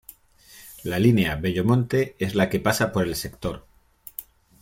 La línea Bello Monte es la que pasa por el sector.